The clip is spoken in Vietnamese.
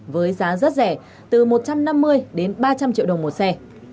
với giá rất rẻ từ một trăm năm mươi đến ba trăm linh triệu đồng một xe